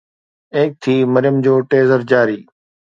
ايڪ ٿِي مريم جو ٽيزر جاري